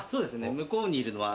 向こうにいるのは。